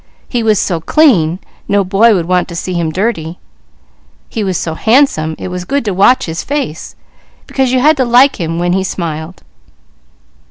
He was so clean, no boy would want him to see him dirty. He was so handsome, it was good to watch his face, because you had to like him when he smiled.